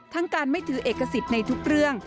การไม่ถือเอกสิทธิ์ในทุกเรื่อง